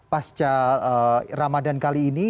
pasca ramadan kali ini